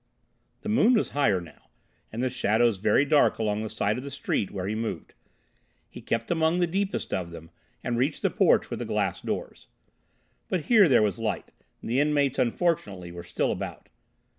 The moon was higher now, and the shadows very dark along the side of the street where he moved. He kept among the deepest of them, and reached the porch with the glass doors. But here there was light; the inmates, unfortunately, were still about.